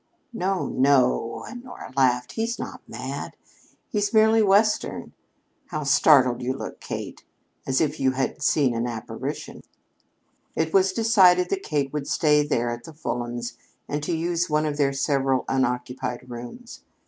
"No, no," Honora laughed; "he's not mad; he's merely Western. How startled you look, Kate as if you had seen an apparition." It was decided that Kate was to stay there at the Fulhams', and to use one of their several unoccupied rooms.